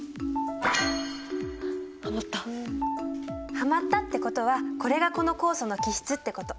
はまったってことはこれがこの酵素の基質ってこと。